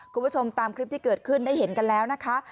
คุณผู้ชมตามคลิปที่เกิดขึ้นได้เห็นกันแล้วนะคะ